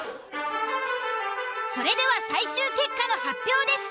それでは最終結果の発表です。